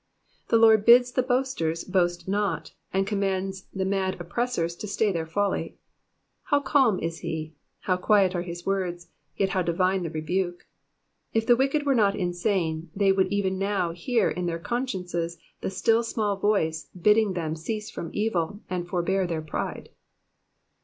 '" The Lord bids the boasters boast not, and commands the mad oppressors to stay their folly. How calm is he, how quiet are his words, yet how divine the rebuke. If the wicked were not insane, they would even now hear in their consciences the still small voice bidding them cease from evil, and forbear their pride.